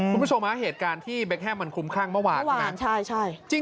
คุณผู้ชมฮะเหตุการณ์ที่เบคแฮมมันคลุมคลั่งเมื่อวานใช่ไหม